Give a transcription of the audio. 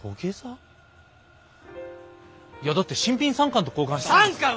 いやだって新品３缶と交換したんですよ？